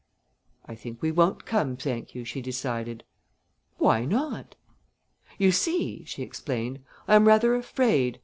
"I think we won't come, thank you," she decided. "Why not?" "You see," she explained, "I am rather afraid.